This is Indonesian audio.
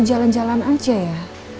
jalan jalan aja ya